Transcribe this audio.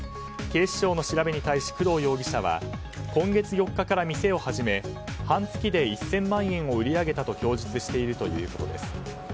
警視庁の調べに対し工藤容疑者は今月４日から店を始め半月で１０００万円を売り上げたと供述しているということです。